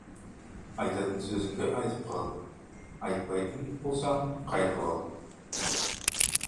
Айтатын сөзіңді айтып қал, айтпайтын болсаң, қайтып ал.